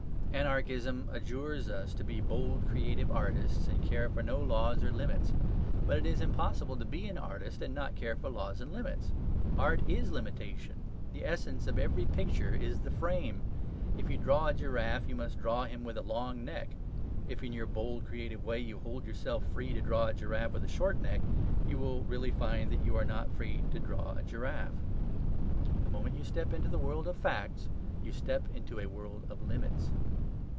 Anarchism adjures us to be bold creative artists, and care for no laws or limits. But it is impossible to be an artist and not care for laws and limits. Art is limitation; the essence of every picture is the frame. If you draw a giraffe, you must draw him with a long neck. If, in your bold creative way, you hold yourself free to draw a giraffe with a short neck, you will really find that you are not free to draw a giraffe. The moment you step into the world of facts, you step into a world of limits.